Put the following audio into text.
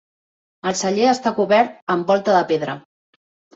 El celler està cobert amb volta de pedra.